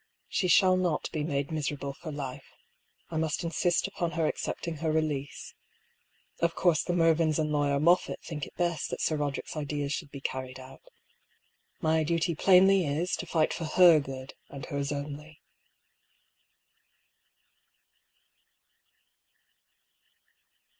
She shall not be made miserable for life. I must insist upon her accepting her release. Of course the Mervyns and lawyer Moffatt think it best that Sir Koderick's ideas should be carried out. My duty plainly is, to fight for her good, and hers only."